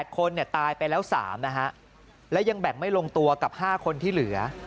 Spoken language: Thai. คนตายไปแล้ว๓นะฮะและยังแบ่งไม่ลงตัวกับ๕คนที่เหลือ